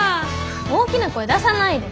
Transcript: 大きな声出さないで。